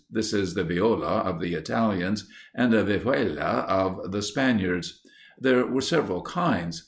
This is the Viola of the Italians, and the Vihuela of the Spaniards. There were several kinds.